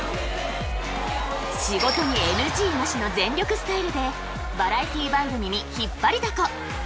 仕事にＮＧなしの全力スタイルでバラエティー番組に引っ張りだこ！